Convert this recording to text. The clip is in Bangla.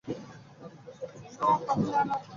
নারীর পেশা ও পুরুষের পেশা আর আলাদা করে ভাবা হচ্ছে না।